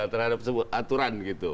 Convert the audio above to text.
terhadap sebuah aturan gitu